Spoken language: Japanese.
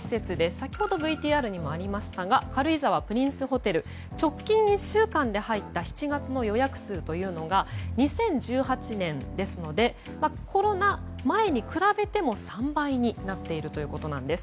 先ほどＶＴＲにもありましたが軽井沢プリンスホテル直近１週間で入った７月の予約数というのが２０１８年ですのでコロナ前に比べても３倍になっているということなんです。